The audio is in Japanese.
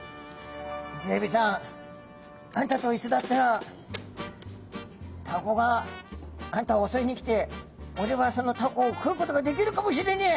イセエビさんあんたといっしょだったらタコがあんたをおそいに来ておれはそのタコを食うことができるかもしれねえ」。